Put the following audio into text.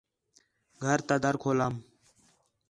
گھر تا در کھولام